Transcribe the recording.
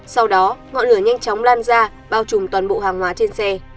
sau đó ngọn lửa nhanh chóng lan ra bao trùm toàn bộ hàng hóa trên xe